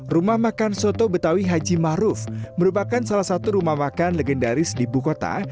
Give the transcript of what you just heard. rumah makan soto betawi haji maruf merupakan salah satu rumah makan legendaris di buku kota